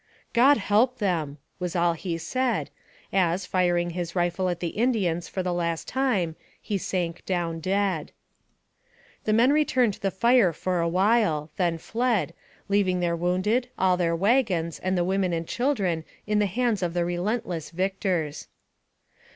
" God help them !" was all he said, as, firing his rifle at the Indians for the last time, he sank down dead. The men returned the fire for awhile, then fled, leaving their wounded, all their wagons, and the AMONG THE SIOUX INDIANS. 245 women and children in the hands of the relentless victors.